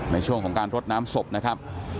ในช่วงของการรดน้ำศพนะครับ